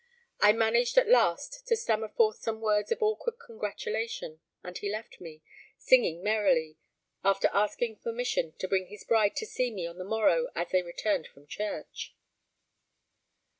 I managed at last to stammer forth some words of awkward congratulation, and he left me, singing merrily, after asking permission to bring his bride to see me on the morrow as they returned from church.